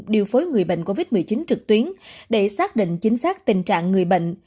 điều phối người bệnh covid một mươi chín trực tuyến để xác định chính xác tình trạng người bệnh